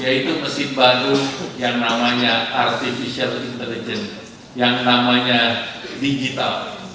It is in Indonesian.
yaitu mesin baru yang namanya artificial intelligence yang namanya digital